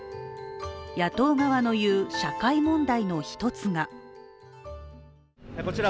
野党側の言う社会問題の一つがこちら